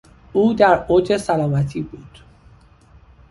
او در اوج سلامتی بود.